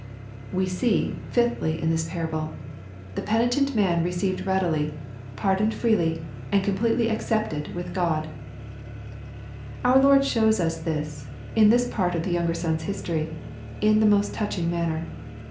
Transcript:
We see, fifthly, in this parable, the penitent man received readily J pardoned freely, and completely accepted with God, Our Lord shows us this, in this part of the younger Bon's history, in the most touching manner.